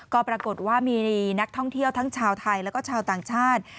ก็ปรากฏว่ามีนักท่องเที่ยวทั้งชาวไทยแล้วก็ชาวต่างชาติ